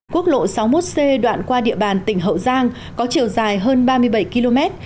quốc lộ sáu mươi một c đoạn qua địa bàn tỉnh hậu giang có chiều dài hơn ba mươi bảy km